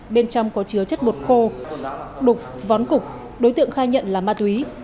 bên trong có chứa chất bột khô đục vón cục đối tượng khai nhận là ma túy